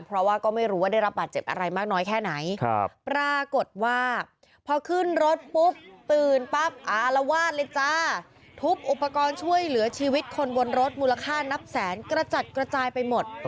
เพราะว่าก็ไม่รู้ว่าได้รับบาดเจ็บอะไรมากน้อยแค่ไหนครับปรากฏว่า